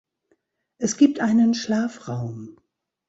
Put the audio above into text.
Es gibt einen Schlafraum.